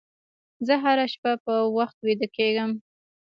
زه هره شپه په وخت ویده کېږم.